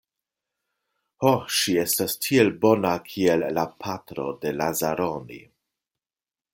Ho, ŝi estas tiel bona kiel la patro de Lazaroni.